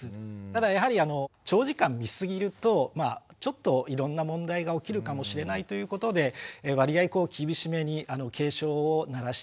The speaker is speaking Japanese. ただやはり長時間見すぎるとちょっといろんな問題が起きるかもしれないということで割合厳しめに警鐘を鳴らしているのかなという気がします。